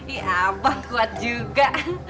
iya bang kuat juga